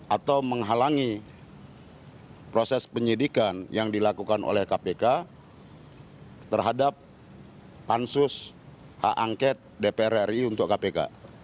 atau menghalangi proses penyidikan yang dilakukan oleh kpk terhadap pansus hak angket dpr ri untuk kpk